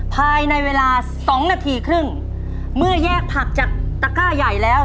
ภายในเวลาสองนาทีครึ่งเมื่อแยกผักจากตะก้าใหญ่แล้ว